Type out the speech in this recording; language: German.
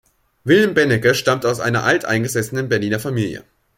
Wilhelm Benecke stammte aus einer alteingesessenen Berliner Familie.